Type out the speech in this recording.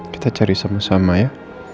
kita cari sama sama ya